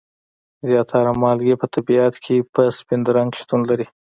زیاتره مالګې په طبیعت کې په سپین رنګ شتون لري.